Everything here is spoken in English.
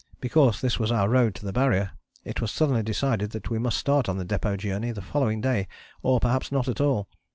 Because this was our road to the Barrier, it was suddenly decided that we must start on the Depôt journey the following day or perhaps not at all.